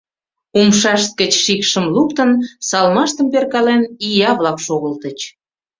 Умшашт гыч шикшым луктын, салмаштым перкален, ия-влак шогылтыч.